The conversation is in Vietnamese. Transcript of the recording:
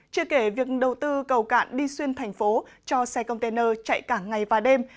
chưa kể việc đầu tư cầu cạn đi xuyên thành phố cho xe container chạy cả ngày và đêm